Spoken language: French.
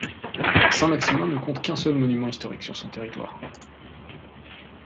Saint-Maximin ne compte qu'un seul monument historique sur son territoire.